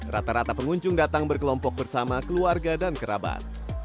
rata rata pengunjung datang berkelompok bersama keluarga dan kerabat